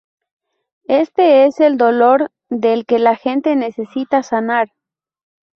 Este es el dolor del que la gente necesita sanar.